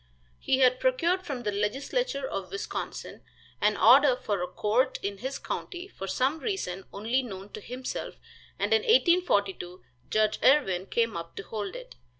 He had procured from the legislature of Wisconsin an order for a court in his county for some reason only known to himself, and in 1842 Judge Irwin came up to hold it.